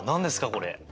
これ。